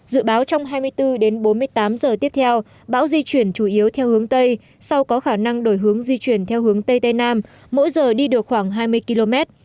dự báo trong hai mươi bốn đến bốn mươi tám giờ tiếp theo bão di chuyển chủ yếu theo hướng tây sau có khả năng đổi hướng di chuyển theo hướng tây tây nam mỗi giờ đi được khoảng hai mươi km